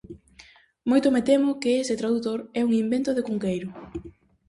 Moito me temo que ese tradutor é un invento de Cunqueiro.